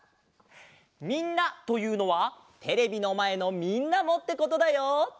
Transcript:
みんなというのはテレビのまえのみんなもってことだよ！